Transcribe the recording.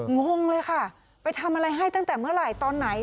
งงเลยค่ะไปทำอะไรให้ตั้งแต่เมื่อไหร่ตอนไหน